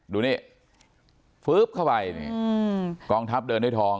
ดูนี่ฟื๊บเข้าไปนี่กองทัพเดินด้วยทอง